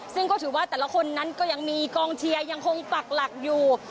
ซึ่งก็ถือว่าแต่ละคนนั้นก็ยังมีกองเชียร์ยังคงปักหลักอยู่